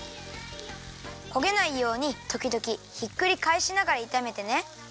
こげないようにときどきひっくりかえしながらいためてね。